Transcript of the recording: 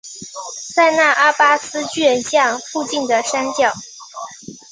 塞那阿巴斯巨人像附近的山脚。